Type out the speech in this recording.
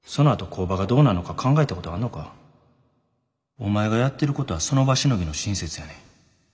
お前がやってることはその場しのぎの親切やねん。